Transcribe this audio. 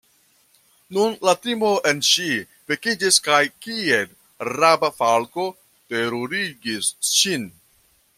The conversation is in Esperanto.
Nun la timo en ŝi vekiĝis kaj kiel raba falko terurigis ŝin.